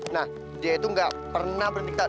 nah dia itu gak pernah berpikir